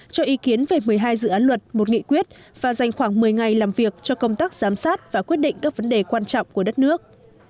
cho ý kiến về một mươi hai dự án luật một nghị quyết và dành khoảng một mươi ngày làm việc cho công tác giám sát và quyết định các vấn đề quan trọng của đất nước